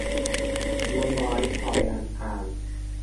รู้น้อยพลอยรำคาญ